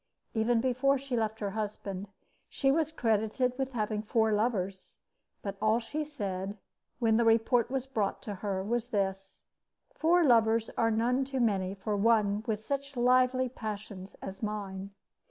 Even before she left her husband, she was credited with having four lovers; but all she said, when the report was brought to her, was this: "Four lovers are none too many for one with such lively passions as mine."